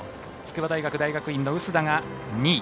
筑波大学大学院の薄田が２位。